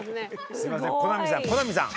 すいません。